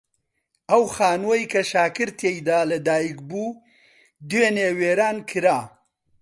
ئەو خانووەی کە شاکر تێیدا لەدایک بوو دوێنێ وێران کرا.